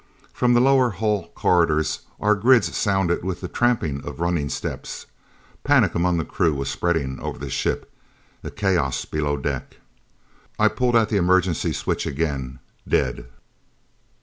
From the lower hull corridors our grids sounded with the tramping of running steps. Panic among the crew was spreading over the ship. A chaos below deck. I pulled at the emergency switch again. Dead....